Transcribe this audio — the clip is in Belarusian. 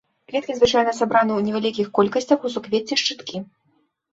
Кветкі звычайна сабраны ў невялікіх колькасцях ў суквецці-шчыткі.